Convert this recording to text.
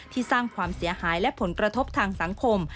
สร้างความเสียหายและผลกระทบทางสังคม